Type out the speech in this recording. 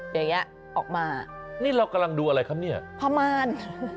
อย่างนี้ออกมานี่เรากำลังดูอะไรครับเนี่ยประมาณ